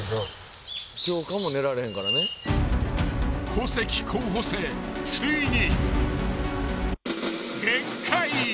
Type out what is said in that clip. ［小関候補生ついに］